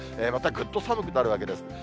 またぐっと寒くなるわけです。